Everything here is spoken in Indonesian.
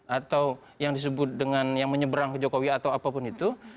atau yang disebut dengan yang menyeberang ke jokowi atau apapun itu